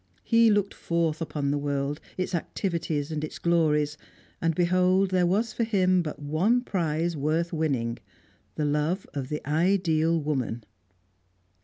He looked forth upon the world, its activities, its glories, and behold there was for him but one prize worth winning, the love of the ideal woman.